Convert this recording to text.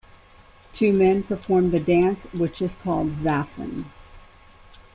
Two men perform the dance, which is called "Zaffan".